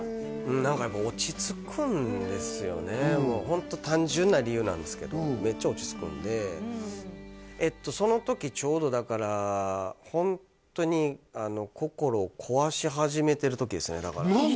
何かやっぱホント単純な理由なんですけどめっちゃ落ち着くんでその時ちょうどだからホントに心を壊し始めてる時ですねだから何で？